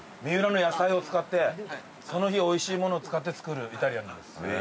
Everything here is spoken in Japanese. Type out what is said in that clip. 三浦の野菜を使ってその日おいしいものを使って作るイタリアンなんです。